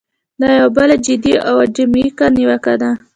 دا یوه بله جدي او اکاډمیکه نیوکه ده.